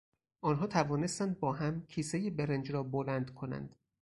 آنها توانستند با هم کیسهی برنج را بلند کنند.